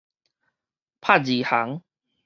拍字行